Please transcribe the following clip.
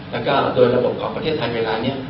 แล้วก็โดยระบบของประเทศไทยเวลานี้